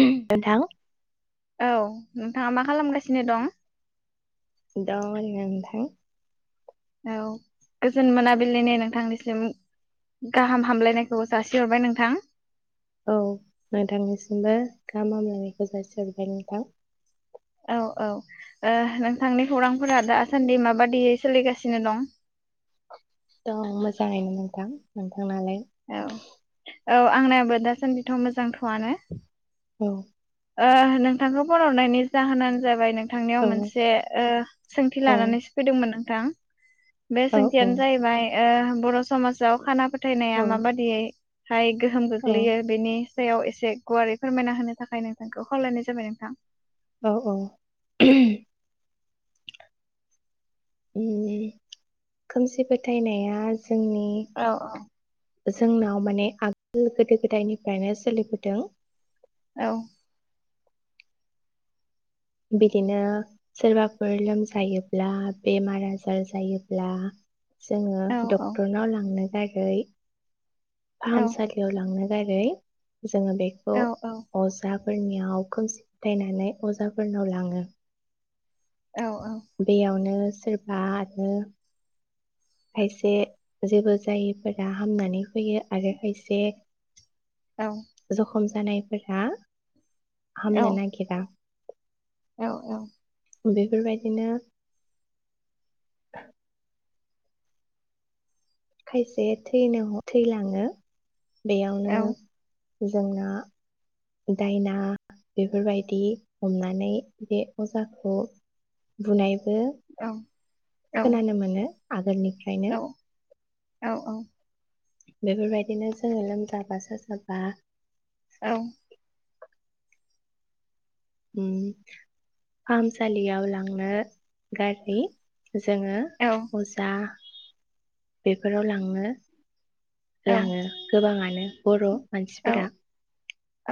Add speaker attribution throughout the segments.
Speaker 1: नोंथां
Speaker 2: औ नोंथाङा मा खालामगासिनो दं
Speaker 1: दं ओरैनो नोंथां
Speaker 2: औ गोजोन मोनाबिलिनि नोंथांनिसिम गाहाम हामलायनायखौ जासिहरबाय नोंथां
Speaker 1: औ नोंथांनिसिमबो गाहाम हामलायनायखौ जासिहरबाय नोंथां
Speaker 2: औ औ ओ नोंथांनि खौरांफोरा दासान्दि माबादियै सोलिगासिनो दं
Speaker 1: दं मोजाङैनो नोंथां नोंथां नोंनालाय
Speaker 2: औ औ आंनाबो दासान्दिथ' मोजांथ' थवानो
Speaker 1: औ
Speaker 2: ओ नोंथांखौ फन हरनायनि जाहोनानो जाबाय नों थांनायाव
Speaker 1: औ
Speaker 2: मोनसे ओ सोंथि
Speaker 1: औ
Speaker 2: लानानैसो फैदोंमोन आं थां बे
Speaker 1: औ
Speaker 2: सोंथियानो जाहैबाय ओ बर' समाजाव खानाफो फोथायनाया
Speaker 1: औ
Speaker 2: माबाददियै हाय गोहोम
Speaker 1: औ
Speaker 2: गोग्लैयो बेनि सायाव एसे गुवारै फोरमायना होनो थाखाय नों नोंखौ खावलायनाय जाबाय नोंथां
Speaker 1: औ औ ओहोम खोमसि फोथायनाया जोंनि
Speaker 2: औ
Speaker 1: जोंनाव माने आगोल गोदो गोदायनिफ्रायनो सोलिबोदों
Speaker 2: औ
Speaker 1: बिदिनो सोरबाफोर लोमजायोब्ला बेमार आजार जायोब्ला जोङो
Speaker 2: औ
Speaker 1: डक्टरनाव लांनो [unintelligible]
Speaker 2: औ
Speaker 1: फाहामसालियाव लांङो। दारै जोङो
Speaker 2: औ
Speaker 1: बेखौ
Speaker 2: औ
Speaker 1: अजाब फोरनियाव खोमसि फोथायनानै अजा फोरनाव लाङो।
Speaker 2: औ
Speaker 1: बेयावनो सोरबा आदनो खायसे जेबो जायैफोरा हामनानै फैयो आरो खायसे
Speaker 2: औ
Speaker 1: खम जानायफोरा
Speaker 2: औ
Speaker 1: हामनो नागिरा
Speaker 2: औ औ
Speaker 1: बेफोरबादिनो खायसे थैनो-थैलाङो। बेयावनो जोंना दायना बेफोरबायदि हमनानै बे अजाखौ बुनाय बो खोनानो मोनो। आगोलनि फ्रायनो
Speaker 2: औ औ
Speaker 1: बेफोरबायदिनो जोङो लोमजाबा साजाबा
Speaker 2: औ
Speaker 1: उम फाहामसालियाव लांनो गारि जोङो अजा बेफोराव लाङो।
Speaker 2: औ
Speaker 1: लाङो गोबाङानो बर' मानसिफोरा।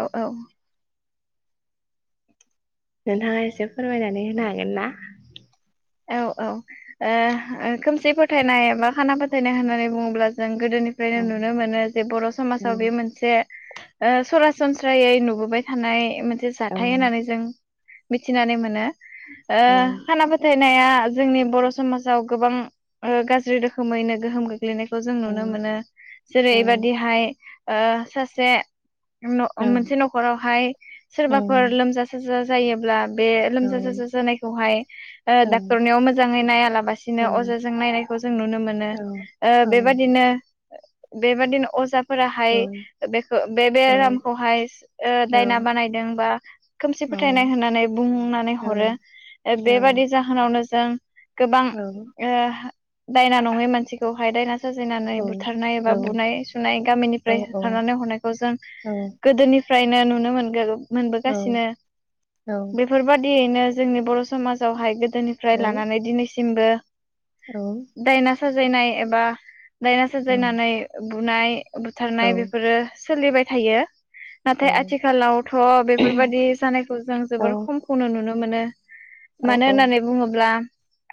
Speaker 2: औ औ
Speaker 1: नोंथाङा एसे फोरमायनानै होनो हागोन ना?
Speaker 2: औ औ ओ खोमसि फोथायनाय बा खाना फोथायनाय होननानै बुङोब्ला जों गोदोनिफ्रायनो नुनो मोनो जे बर'
Speaker 1: होनो
Speaker 2: समाजाव बे मोनसे ओ सरासनस्रायै नुबोबाय थानाय मोन से जाथाय होनानै जों मिथिनानै मोनो। ओ
Speaker 1: हागोन
Speaker 2: खाना फो फोथायनाया जोंनि बर' समाजाव गोबां ओ गाज्रि रोखोमैनो गोहोम गोग ग्लैनायखौ जों नुनो मोनो। जेरैबादिहाय ओ सासे [unintelligible] मोनसे नखरावहाय सोरबाफोर लोमजा साजा जायोब्ला बे लोमजा साजा जानायखौहाय ओ डाक्टरनियाव मोजाङै नायालाबसिनो अजाजों नायनायखौ जों नुनो मोनो ओ बेबादिनो बेबायदिनो अजा फोराहाय बेखौ बे बे रामखौहाय ओ दायना बानायदों बा खोमसि फोथायनाय होननानै बुंनानै हरो ओ बेबादि जाहोनावनो जों गोबां ओ दायना नङै मानसिखौहाय दायना साजायनानै बुथारनाय एबा बुनाय सुनाय गामिनिफ्राय होथारनानै हरनायखौ जों गोदोनि फ्रायनो नुनो मोनगोरो
Speaker 1: ना?
Speaker 2: मोनबोगासिनो
Speaker 1: औ
Speaker 2: बेफोर बादि बिदिनो जोंनि बर' समाजावहाय गोदोनिफ्राय
Speaker 1: औ
Speaker 2: लानानै दिनैसि सिमबो
Speaker 1: औ
Speaker 2: साजायनाय एबा दायना जायनानानै ओ‌ बुनाय बुथारनाय बेफोरो सोलिबाय थायो।
Speaker 1: औ
Speaker 2: नाथाय आथिखालावथ' बेफोरबाददि जानायखौ जों जोबोर खमखौनो नुनो मोनो।
Speaker 1: औ औ
Speaker 2: बुंब्ला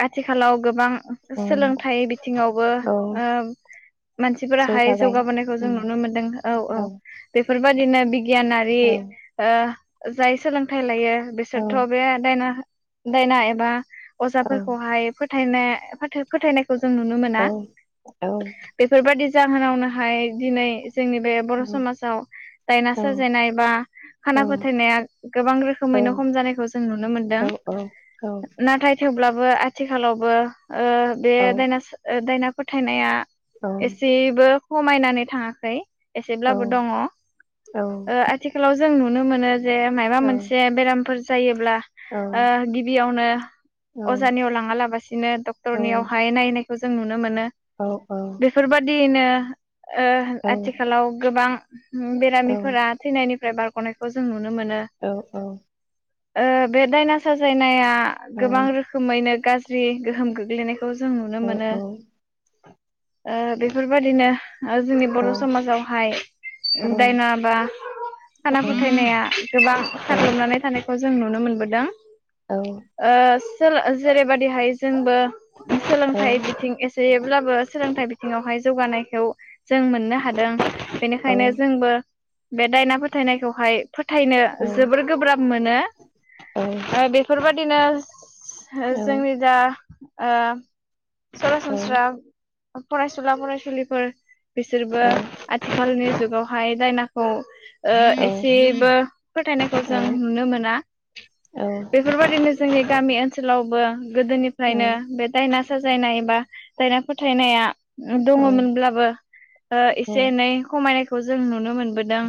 Speaker 2: आथिखालाव गोबां सोलोंथाइ बिथिङावबो
Speaker 1: औ
Speaker 2: ओ मानसिफोराहाय
Speaker 1: जौगाबाय
Speaker 2: जौगाबोनायखौ जों नुनो मोनदों औ औ बे बेफोरबायदिनो बिगियानारि ओ जाय सोलोंथाइ लायो बिसोरथ बे दायना दायना बा अजाफोरखौहाय फोथायनाय खौ जों नुनो मोना बेफोरबायदि जाहोनावनोहाय दिनै जोंनि बे बर' समाजाव दायना साजायनाय बा खाना फोथायनाया गोबां रोखोमैनो खम जानायखौ जों नुनो मोनदों। नाथाय थेवब्लाबो आथिखालावबो बे दायना दायना फोथायनाया एसेबो खमायनानै थाङाखै। एसेब्लाबो दङ ओ आथिखालाव जों नुनो मोनो। जे माबा मोनसे बेरामफोर जायो ब्ला गिबियाव अजानियाव लांयाबालासिनो डक्टरनियावहाय नायनाय बेखौ जों नुनो मोनो
Speaker 1: औ औ
Speaker 2: देनो आथिखालाव गोबां बेरामिफोरा थैनायनि बारगनायखौ जों नुनो मोनो।
Speaker 1: औ औ
Speaker 2: बे दायना साजायनाया गोबां रोखोमैनो गाज्रि गोहोम गोग्लैनायखौ खौ जों नुनो मोनो। बेफोरबायदिनो जोंनि बर' समाजावहाय दायना बा खाना फोथायनाया गोबां साग्लोबनानै थानायखौ जों नुनो मोनबोदों। दां
Speaker 1: औ
Speaker 2: ओ सोल-जेरैबादिहाय जों बो सोलोंथाइ बिथिं एसेब्लाबो सोलोंथाइ बिथिङावहाय जौगानायखौ जों मोननो हादों बेनिखायनो जोंबो बे दायना फोथायनायखौहाय फोथायनो जोबोर गोब्राब मोनो
Speaker 1: हागोन
Speaker 2: ओ बेफोरबायदि [unintelligible] जोंनि
Speaker 1: नोंथां
Speaker 2: दा ओ सरासनस्रा फरायसुला फरायसुलिफोर बिसोरबो आथिखालनि जुगाव फाय दायनाखौ एसेबो फोथायनायखौ जों नुनो मोना बेफोरबा जोंनि गामि ओनसोलाव औबो गोदोनिफ्रायनो बे दाइना साजायनाय बा दायना फोथायनाया दङ मोनब्लाबो ओ एसे एनै खमायनाय खौ जों नुनो मोनबोदों।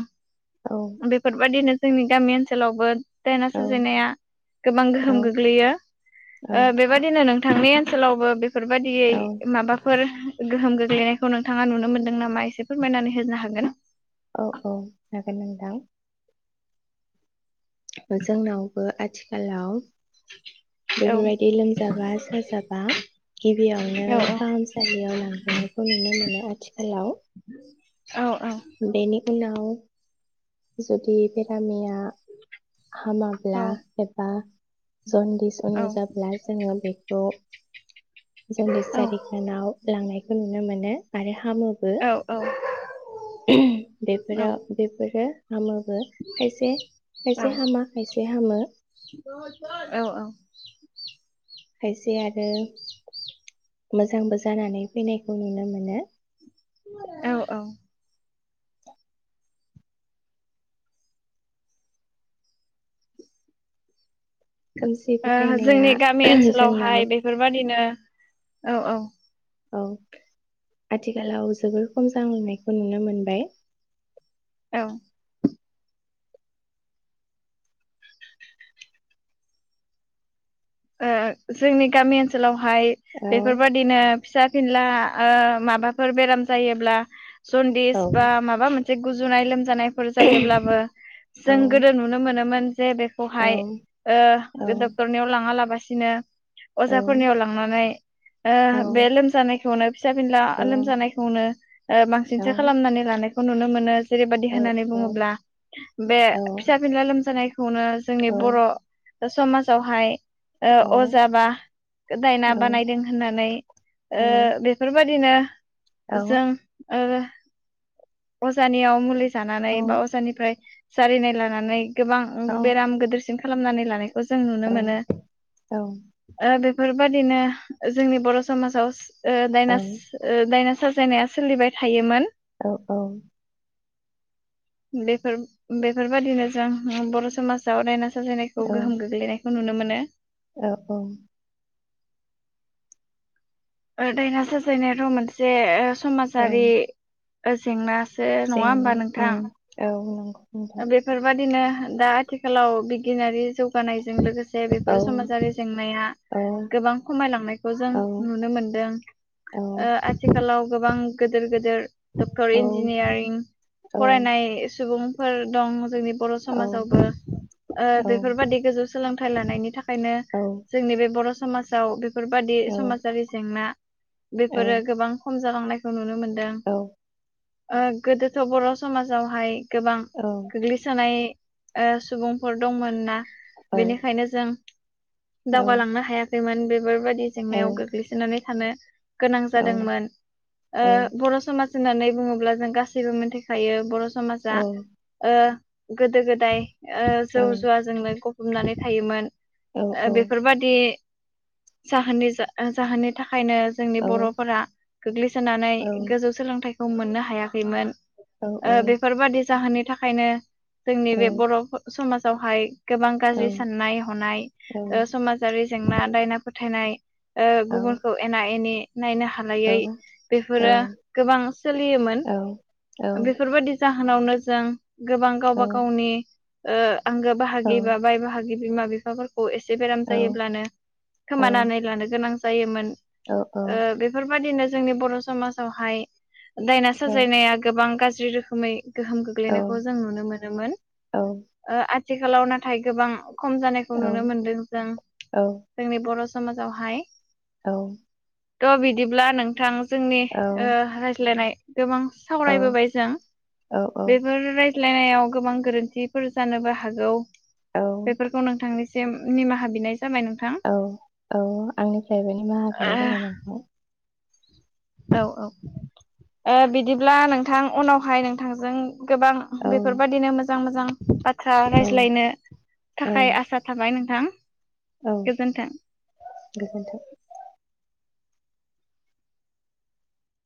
Speaker 2: बेफोरबायदिनो जोंनि गामि ओनसोलावबो दायना सुजायनाया गोबां गोहोम गोग्लैयो ओ बेबायदिनो नों नोंथांनि ओनसोलावबो बे बेफोरबायदियै माबाफोर गोहोम गोग्लैनायखौ नोंथाङा नुनो मोनदों नामा एसे फोरमायनानै होनो हागोन
Speaker 1: औ औ जागोन नोंथां। जोंनावबो आथिखालाव
Speaker 2: औ
Speaker 1: बेफोरबायदि लोमजाबा साजाबा गिबियावनो
Speaker 2: औ
Speaker 1: फाहामसालियाव लांग्रोनायखौ नुनो मोनो आथिखालाव
Speaker 2: औ
Speaker 1: बेनि हेलौ जुदि बेरामिया
Speaker 2: औ
Speaker 1: हामाब्ला एबा जन्दिस
Speaker 2: औ
Speaker 1: अनुजाब्ला जोंङो बेखौ जन्दिस जारिगानाव लांनाय खौ नुनो मोनो आरो हा हामोबो
Speaker 2: औ
Speaker 1: बेफोरा बेफोरो हामोबो खायसे खायसे हामा खायसे हामो।
Speaker 2: औ औ
Speaker 1: फैस सेै आरो मोजांबो जानानै फैनायखौ नुनो मोनो।
Speaker 2: औ औ
Speaker 1: खोमसि
Speaker 2: ओ
Speaker 1: फोथायनाया
Speaker 2: जोंनि गामि
Speaker 1: जोंनाव
Speaker 2: ओनसोलावहाय बेफोरबादिनो औ औ
Speaker 1: औ आथिखालाव जोबोर खम जांलांनायखौ नुनो मोनबाय।
Speaker 2: औ
Speaker 1: [inaudible]
Speaker 2: ओ जोंनि गामि ओनसोलाव हाय
Speaker 1: औ
Speaker 2: बेफोरबादिनो फिसा फेनला ओ माबाफोर बेराम जायोब्ला जन्दिस
Speaker 1: औ
Speaker 2: बा माबा मोन जों गुजुनाय लोम जानायफोर जायोब्लाबो
Speaker 1: औ
Speaker 2: जों गोदो नुनो मोनोमोन जे
Speaker 1: औ
Speaker 2: बेखौहाय ओ बे डक्टरनियाव लाङा लाब बासिनो
Speaker 1: औ
Speaker 2: अजाफोरनियाव लांनानै ओ बे लोमजानाय खौनो फिसा फिनला
Speaker 1: औ
Speaker 2: लोमजानायखौनो ओ
Speaker 1: औ
Speaker 2: बांसिनसो खालामनानै लानाय खौ नुनो मोनो। जेरैबायदि
Speaker 1: औ
Speaker 2: होननानै
Speaker 1: औ
Speaker 2: बुङोब्ला बे फिसा फिनला लोमजानायखौनो जोंनि बर' समाजावहाय ओ अजा बा दायना
Speaker 1: औ
Speaker 2: बानायदों होननानै ओ
Speaker 1: औ
Speaker 2: बेफोरबादिनो [inaudible]
Speaker 1: औ
Speaker 2: जों ओ अजानियाव मुलि जानानै बा
Speaker 1: जोंनो
Speaker 2: अजानिफ्राय जारिनाय लानानै गोबां बेराम गोदोर खालामनानै लानाय खौ जों नुनो मोनो ओ बे बेफोरबादिनो जोंनि बर' समाजाव ओ दाइनास ओ दाइनास साजायनाया सोलिबाय थायोमोन।
Speaker 1: औ औ
Speaker 2: बेफोर बेफोरबादिनो जों बर' समाजाव दायनास साजायनायखौ गोहोम गोग्लैनाय खौ नुनो मोनो।
Speaker 1: औ औ
Speaker 2: ओ दायना साजायनायाथ' मोनसे समाजारि ओ जेंना
Speaker 1: जेंना ओ औ नंगौ। नोंथां
Speaker 2: ओ बेफोरबायाददिनो दा आथिखालाव बिगियानारि जौ गानायजों लोगोसे
Speaker 1: औ
Speaker 2: बेफोर समाजारि जेंनाया
Speaker 1: औ
Speaker 2: गोबां खमायलांनायखौ जों
Speaker 1: औ
Speaker 2: नुनो मोनदों
Speaker 1: औ
Speaker 2: ओ आथिखालाव गोबां गिदिर गिदिर डक्टर इन्जिनियारिं
Speaker 1: औ
Speaker 2: फरायनाय सुबुं फोर दं जोंनि बर'
Speaker 1: औ
Speaker 2: समाजावबो
Speaker 1: औ
Speaker 2: ओ
Speaker 1: औ
Speaker 2: बेफोरबादि गोजौ सोलोंथाइ लानायनि थाखायनो
Speaker 1: औ
Speaker 2: जोंनि बे बर' समाजाव बे बेफोरबादि समाजारि जेंना बेफोरो गोबां खम जालांनायखौ नुनो मोन दों। ओ गोदोथ' बर' समाजावहाय गोबां गोग्लैसोनाय ओ सुबुंफोर दंमोन ना बेनिखायनो जों दावगालांनो हायाखैमोन। बेफोरबादि नि जेंनायाव गोग्लैसोनानै थानो गोनां जादोंमोन ओ बर' समाज होन्नानै बुङोब्ला जों गासैबो मिथिखायो बर' समाजा ओ गोदो-गोदाय जौ-जुवाजोंनो गफबनानै थायोमोन बेफोरबादि जाहोननि जाहोनो थाखाय फायनो जोंनि बर'फोरा गोग्लैसोनानै गोजौ सोलोंथाइ खौ मोननो हायाखैमोन ओ बेफोरबादि जाहोननि थाखायनो जोंनि बे बर' समाज सहाय गोबां गाज्रि साननाय हनाय ओ समाजारि जेंना दायनाफोर थायनाय ओ गुबुनखौ एना-एनि नायनो हालायै बेफोरो गोबां सोलियोमोन
Speaker 1: औ
Speaker 2: बेफोरबायदि जा होनावनो जों गोबां गावबा
Speaker 1: औ
Speaker 2: गावनि ओ आंगो बाहागिबा बाय बाहागि बिमा बिफाफोर अ एसे बेराम जायोब्लानो खोमानानै लानो गोनां जायोमोन ओ बेफोरबायदिनो जोंनि बर' समाजावहाय दायना साजायनाया गोबां गाज्रि जि रोखोमै गोहोम गोग्लैनाय खौ जों नुनो मोनोमोन आ थिखालाव नाथाय गोबां खम जानायखौ नुनो मोनदों जों जोंनि बर' समाजावहाय
Speaker 1: औ
Speaker 2: थ' बिदिब्ला नोंथां जोंनि ओ रायज्लायनाय गोबां सावरायबोबाय जों बे रायज्लायनायाव गोबां गोरोन्थिफोर जानोबो हागौ बेफोरखौ नों थांनोसै सिम निमाहा बिनाय जाबाय नोंथां
Speaker 1: औ औ आंनिफ्रायबो निमाहा
Speaker 2: ओ
Speaker 1: बिनाय जाबाय आोंाय
Speaker 2: औ औ बिदिब्ला नोंथां उनावहाय नोंथांजों गोबां बेफोरबायदिनो मोजां मोजां बाथ्रा रायज्लायनो
Speaker 1: औ
Speaker 2: थाखाय आसा थाबाय नोंथां
Speaker 1: औ
Speaker 2: गोजोन्थों।
Speaker 1: गोजोन्थों